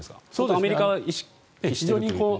アメリカは意識している。